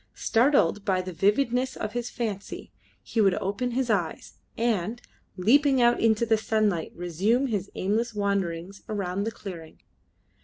Startled by the vividness of his fancy, he would open his eyes, and, leaping out into the sunlight, resume his aimless wanderings around the clearing.